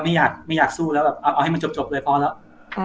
ไม่อยากไม่อยากสู้แล้วแบบเอาให้มันจบเลยพอแล้ว